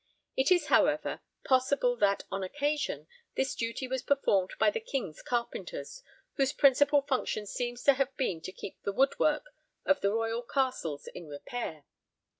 It is, however, possible that, on occasion, this duty was performed by the king's carpenters, whose principal function seems to have been to keep the woodwork of the royal castles in repair.